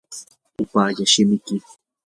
upallaa shimiki.